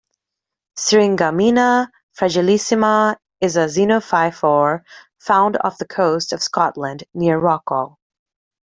Syringammina fragilissima is a xenophyophore found off the coast of Scotland, near Rockall.